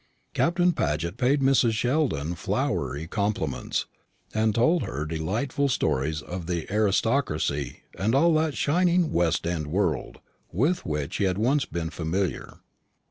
Captain Paget paid Mrs. Sheldon flowery compliments, and told her delightful stories of the aristocracy and all that shining West end world with which he had once been familiar.